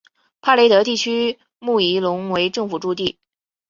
帕雷德地区穆伊隆为政府驻地。